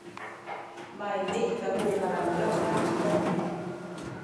maydih kaku kalamkam matineng